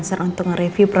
selain ada cute